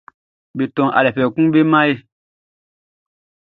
Be tɔn aliɛ fɛfɛ kun be man e.